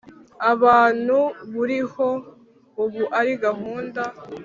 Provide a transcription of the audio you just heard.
abantu buriho ubu ari gahunda